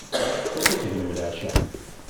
Anda tegnem leɛca?